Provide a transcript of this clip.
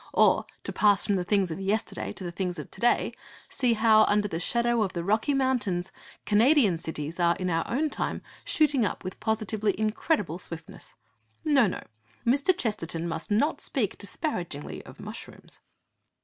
Or, to pass from the things of yesterday to the things of to day, see how, under the shadow of the Rocky Mountains, Canadian cities are in our own time shooting up with positively incredible swiftness. No, no; Mr. Chesterton must not speak disparagingly of mushrooms!